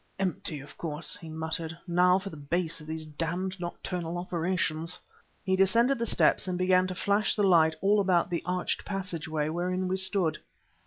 "Empty, of course!" he muttered. "Now for the base of these damned nocturnal operations." He descended the steps and began to flash the light all about the arched passageway wherein we stood.